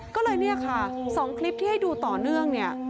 ก็เลยเนี่ยค่ะ๒คลิปที่ให้ดูต่อเนื่องเนี่ย